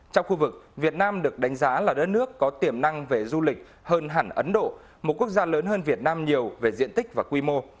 trong khu vực việt nam được đánh giá là đất nước có tiềm năng về du lịch hơn hẳn ấn độ một quốc gia lớn hơn việt nam nhiều về diện tích và quy mô